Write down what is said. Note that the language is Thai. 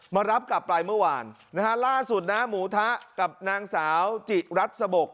มารับกลับไปเมื่อวานนะฮะล่าสุดนะหมูทะกับนางสาวจิรัสสะบก